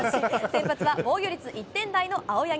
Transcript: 先発は防御率１点台の青柳。